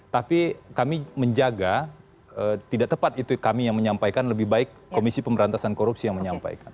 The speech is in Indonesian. tapi kami menjaga tidak tepat itu kami yang menyampaikan lebih baik komisi pemberantasan korupsi yang menyampaikan